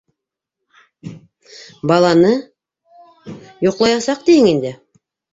Баланы... йоҡлаясаҡ тиһең инде?